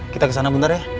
kita kesana buntar ya